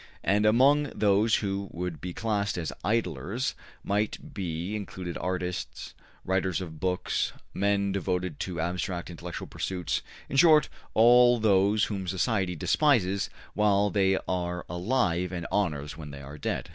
And among those who would be classed as idlers might be included artists, writers of books, men devoted to abstract intellectual pursuits in short, all those whom society despises while they are alive and honors when they are dead.